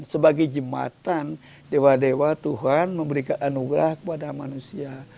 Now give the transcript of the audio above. sebagai jembatan dewa dewa tuhan memberikan anugerah kepada manusia